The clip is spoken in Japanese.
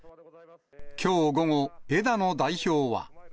きょう午後、枝野代表は。